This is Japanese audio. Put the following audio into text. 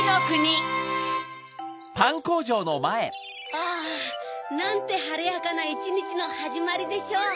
あなんてはれやかないちにちのはじまりでしょう！